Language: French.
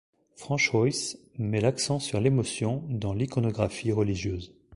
Franchoys met l'accent sur l'émotion dans l'iconographie religieuse.